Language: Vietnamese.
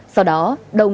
sau đó đồng